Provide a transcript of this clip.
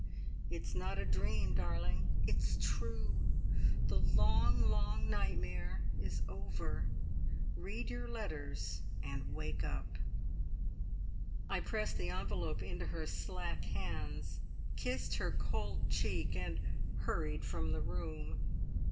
It's not a dream, darling it's true! The long, long nightmare is over; read your letters and wake up!" I pressed the envelope into her slack hands, kissed her cold cheek, and hurried from the room.